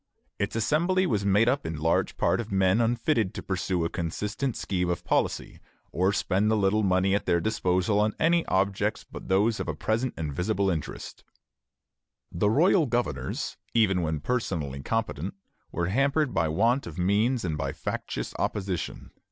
Its Assembly was made up in large part of men unfitted to pursue a consistent scheme of policy, or spend the little money at their disposal on any objects but those of present and visible interest. The royal governors, even when personally competent, were hampered by want of means and by factious opposition.